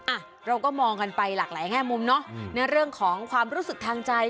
อ่ะเราก็มองกันไปหลากหลายแง่มุมเนอะในเรื่องของความรู้สึกทางใจ